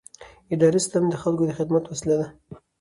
اداري سیستم د خلکو د خدمت وسیله ده.